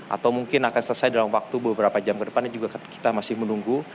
atau mungkin akan selesai dalam waktu beberapa jam ke depan ini juga kita masih menunggu